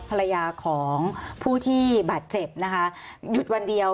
ภรรยาของผู้ที่บาดเจ็บนะคะหยุดวันเดียว